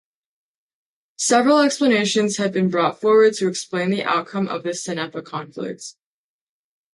Several explanations have been brought forward to explain the outcome of the Cenepa conflict.